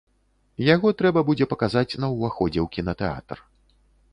Яго трэба будзе паказаць на ўваходзе ў кінатэатр.